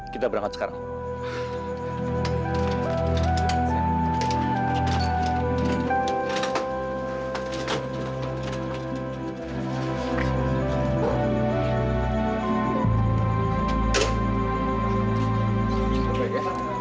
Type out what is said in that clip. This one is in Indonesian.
kita berangkat sekarang